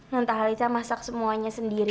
nontalita masak semuanya sendiri